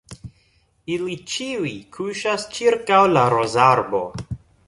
Ili iuj kuŝas ĉirkaŭ la rozarbo.